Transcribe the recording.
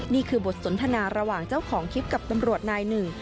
นี่คือบทสนทนาระหว่างเจ้าของคลิปกับตำรวจนายหนึ่ง